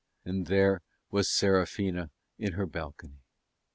And there was Serafina in her balcony.